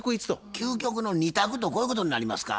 究極の二択とこういうことになりますか？